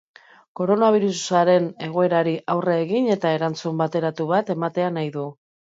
Koronabirusaren egoerari aurre egin eta erantzun bateratu bat ematea nahi du.